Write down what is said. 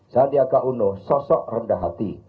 sandiaga uno sosok rendah hati